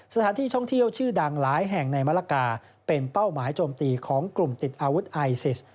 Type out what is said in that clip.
สถานที่ท่องเที่ยวชื่อดังหลายแห่งในมะละกาเป็นเป้าหมายโจมตีของกลุ่มติดอาวุธไอซิส